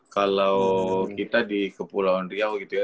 kalau kita di kepulauan riau gitu ya